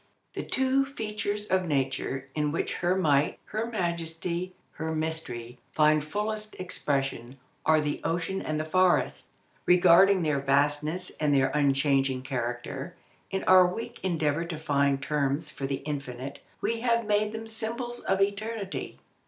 * The two features of nature in which her might, her majesty, her mystery, find fullest expression, are the ocean and the forest. Regarding their vastness and their unchanging character, in our weak endeavour to find terms for the infinite we have made them symbols of eternity.